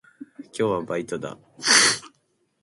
今日はバイトだ。